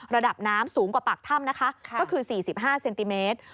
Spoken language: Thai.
ระดับน้ำสูงกว่าปากถ้ำนะคะก็คือ๔๕เซนติเมตร